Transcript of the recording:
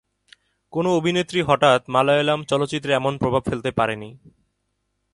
কোনও অভিনেত্রী হঠাৎ মালয়ালম চলচ্চিত্রে এমন প্রভাব ফেলতে পারেননি।